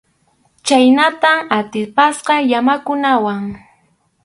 Chhaynatam atipasqa llamakunawan.